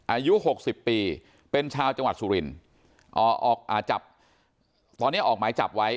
อายุ๖๐ปีเป็นชาวจังหวัดสุรินทร์ตอนนี้ออกหมายจับไว้